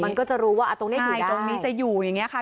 มันก็จะรู้ว่าตรงนี้อยู่ตรงนี้จะอยู่อย่างนี้ค่ะ